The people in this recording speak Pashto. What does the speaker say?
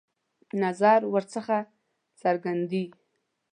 نظر ورڅخه څرګندېدی.